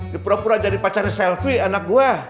di pro pura jadi pacar selfie anak gua